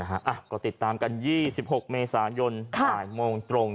ก็ติดตามกัน๒๖เมษายนบ่ายโมงตรง